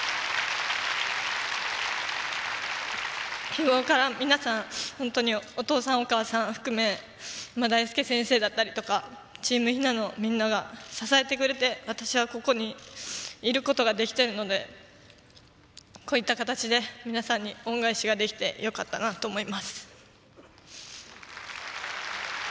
日ごろから皆さん本当にお父さん、お母さん含め大輔先生だったりとかチームひなのみんなが支えてくれて私はここにいることができてるのでこういった形で皆さんに恩返しができてよかったなと思います。